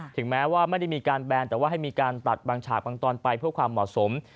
ถึงแม้ว่าไม่ได้มีการแบนแต่ว่าให้มีการตัดบางฉากบางตอนไปเพื่อความเหมาะสม